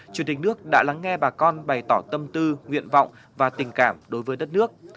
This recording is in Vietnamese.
chủ tịch nước đã lắng nghe bà con bày tỏ tâm tư nguyện vọng và tình cảm đối với đất nước